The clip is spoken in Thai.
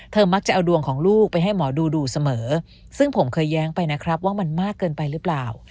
มักจะเอาดวงของลูกไปให้หมอดูดูเสมอซึ่งผมเคยแย้งไปนะครับว่ามันมากเกินไปหรือเปล่า